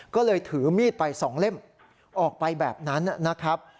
ก็เลยถือมีดไป๒เล่มออกไปแบบนั้นนะครับ